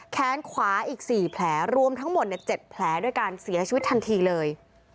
แขนขวาอีก๔แผลรวมทั้งหมด๗แผลด้วยการเสียชีวิตทันทีเลย